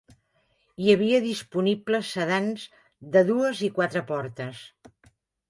Hi havia disponibles sedans de dues i quatre portes.